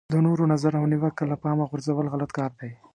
د نورو نظر او نیوکه له پامه غورځول غلط کار دی.